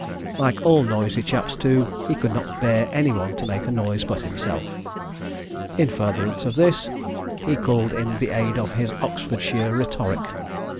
Like all noisy chaps, too, he could not bear any one to make a noise but himself. In furtherance of this, he called in the aid of his Oxfordshire rhetoric.